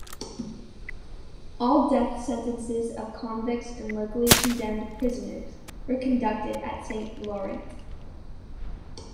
All death sentences of convicts and locally condemned prisoners were conducted at Saint-Laurent.